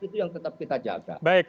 itu yang tetap kita jaga